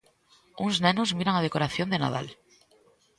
Uns nenos miran a decoración de Nadal.